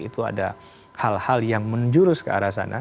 itu ada hal hal yang menjurus ke arah sana